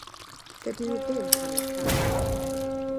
Dydyn nhw ddim hanner call!